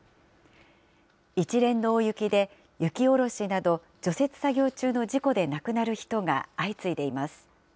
一連の大雪で雪下ろしなど除雪作業中の事故で亡くなる人が相次いでいます。